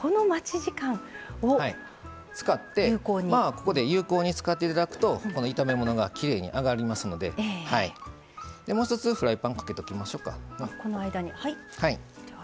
時間を有効に使っていただくと炒め物がきれいにあがりますのでもう一つ、フライパンかけておきましょうか。